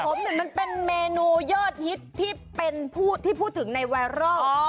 ขมเนี่ยมันเป็นเมนูเยอะฮิตที่พูดถึงในวัยร่อง